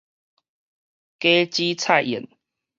果子菜燕